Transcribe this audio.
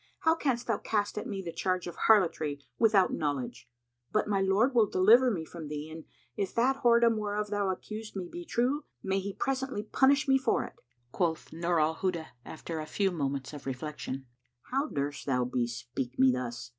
How canst thou cast at me the charge of harlotry, without knowledge? But my Lord will deliver me from thee and if that whoredom whereof thou accusest me be true, may He presently punish me for it!" Quoth Nur al Huda after a few moments of reflection "How durst thou bespeak me thus?"